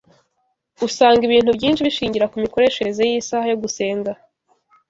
usanga ibintu byinshi bishingira ku mikoreshereze y’isaha yo gusenga